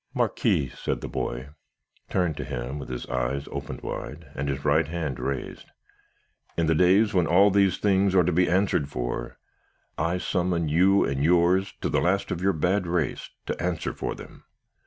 "'Marquis,' said the boy, turned to him with his eyes opened wide, and his right hand raised, 'in the days when all these things are to be answered for, I summon you and yours, to the last of your bad race, to answer for them.